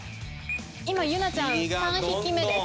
今ゆなちゃん３匹目です。